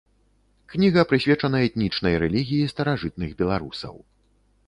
Кніга прысвечана этнічнай рэлігіі старажытных беларусаў.